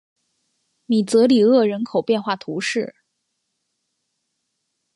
米泽里厄人口变化图示